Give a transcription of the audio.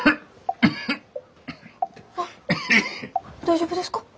あっ大丈夫ですか？